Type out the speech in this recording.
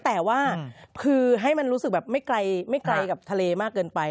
แต่ว่าคือให้มันรู้สึกแบบไม่ไกลกับทะเลมากเกินไป